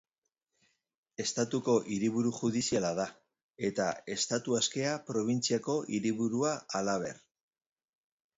Estatuko hiriburu judiziala da eta Estatu Askea probintziako hiriburua, halaber.